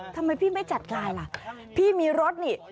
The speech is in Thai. ทำไมพี่ไม่จัดงานล่ะพี่มีรถนี่